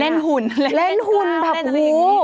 เล่นหุ่นเล่นหุ่นแบบโอ้ว